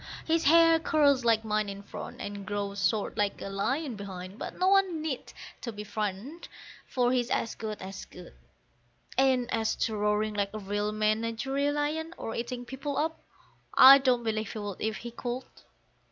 His hair curls like mine in front, and grows short like a lion behind, but no one need be frightened, for he's as good as good; And as to roaring like a real menagerie lion, or eating people up, I don't believe he would if he could.